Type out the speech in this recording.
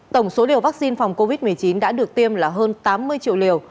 tổng số liều vaccine phòng covid một mươi chín đã được tiêm là hơn tám mươi triệu liều